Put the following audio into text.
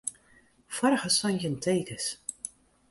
Foarige santjin tekens.